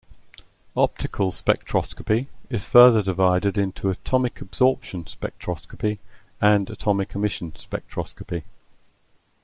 Optical spectroscopy is further divided into atomic absorption spectroscopy and atomic emission spectroscopy.